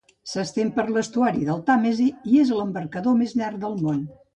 S'estén per l'estuari del Tàmesi i és l'embarcador més llarg del món.